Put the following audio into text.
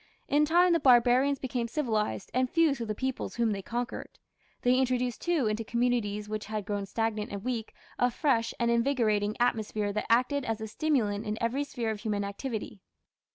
In time the barbarians became civilized and fused with the peoples whom they conquered. They introduced, too, into communities which had grown stagnant and weakly, a fresh and invigorating atmosphere that acted as a stimulant in every sphere of human activity.